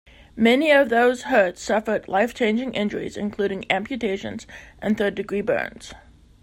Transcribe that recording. Many of those hurt suffered life changing injuries, including amputations, and third degree burns.